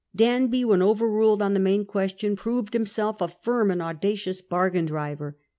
Danby, when overruled on the main question, proved himself a firm and audacious bargain driver.